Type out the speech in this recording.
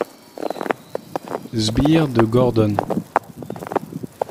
Sbire de Gordon.